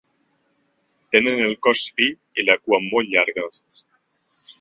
Tenen el cos fi i la cua molt llarga.